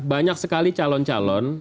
banyak sekali calon calon